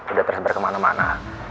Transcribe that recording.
udah tersebar kemana mana